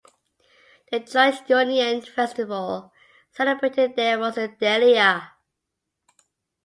The joint Ionian festival celebrated there was the Delia.